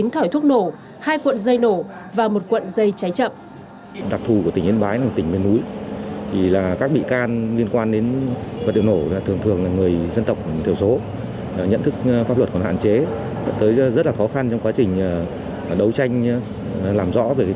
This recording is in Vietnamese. một trăm linh chín thỏi thuốc nổ hai cuộn dây nổ và một cuộn dây cháy chậm